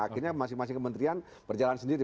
akhirnya masing masing kementerian berjalan sendiri